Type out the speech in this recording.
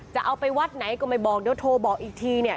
จะเอาไปวัดไหนก็ไม่ว่าโทรบอกอีกที